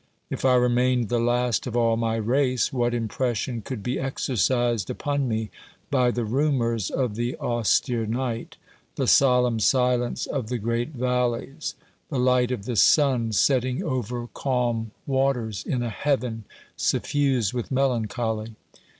If I remained the last of all my race, what impression could be exercised upon me by the rumours of the austere night, the solemn silence of the OBERMANN 115 great valleys, the light of the sun setting over calm waters in a heaven suffused with melancholy